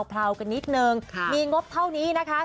เลากันนิดนึงมีงบเท่านี้นะคะ